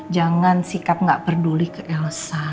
jangan sikap gak peduli ke elsa